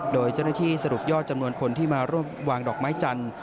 โดยเจ้าหน้าที่สรุปยอดจำนวนคนที่มาร่วมวางดอกไม้จันทร์